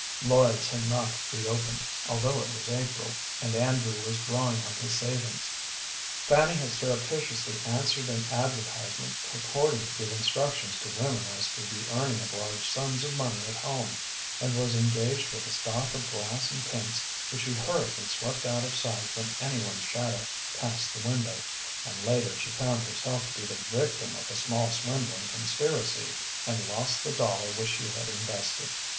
Lloyd's had not reopened, although it was April, and Andrew was drawing on his savings. Fanny had surreptitiously answered an advertisement purporting to give instructions to women as to the earning of large sums of money at home, and was engaged with a stock of glass and paints which she hurriedly swept out of sight when any one's shadow passed the window, and later she found herself to be the victim of a small swindling conspiracy, and lost the dollar which she had invested.